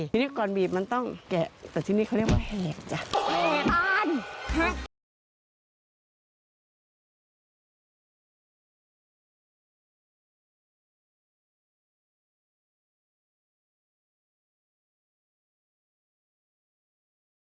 ทีนี้ก่อนบีบมันต้องแกะแต่ชิ้นนี้เขาเรียกว่าแหบจ้ะแห่ทานฮะ